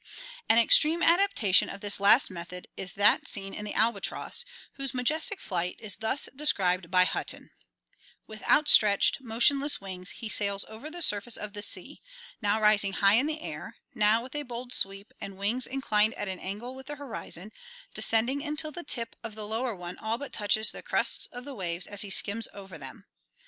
An extreme adaptation of this last method is that seen in the albatross, whose majestic flight is thus described by Hutton: "With outstretched, motionless wings he sails over the surface of the sea, now rising high in the air, now with a bold sweep, and wings inclined at an angle with the horizon, descending until the tip of the lower one all but touches the crests of the waves as he skims over them.